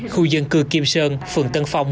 khu dân cư kim sơn phường tân phong